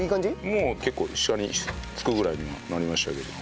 もう結構下につくぐらいにはなりましたけど。